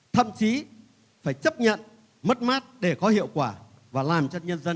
thậm chí phải chấp nhận mất mát để có hiệu quả và làm cho nhân dân tin đạt